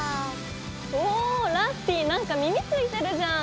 おおラッピィなんか耳ついてるじゃん！